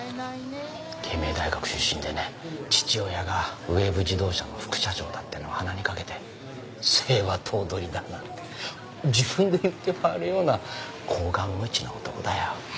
慶明大学出身でね父親がウェーブ自動車の副社長だっていうのを鼻にかけて末は頭取だなんて自分で言って回るような厚顔無恥な男だよ。